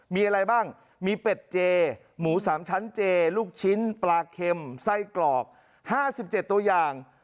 มีอะไรบ้างมีเป็ดเจหมู๓ชั้นเจลูกชิ้นปลาเข็มไส้กรอก๕๗ตัวอย่าง